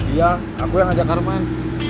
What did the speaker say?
iya aku yang ajak karman